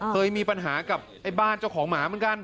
เคยมีปัญหากับไอ้บ้านเจ้าของหมาเหมือนกัน